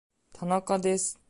田中です